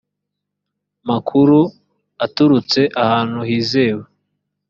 makuru aturutse ahantu hizewe